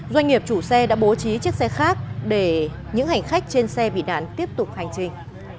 doanh nghiệp chủ xe đã bố trí chiếc xe khác để những hành khách trên xe bị nạn tiếp tục hành trình